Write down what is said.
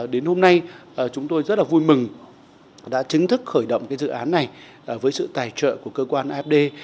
đã chứng thức khởi động dự án này với sự tài trợ của cơ quan afd